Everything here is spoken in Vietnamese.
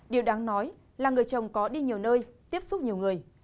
điều đáng nói là người chồng có đi nhiều nơi tiếp xúc nhiều người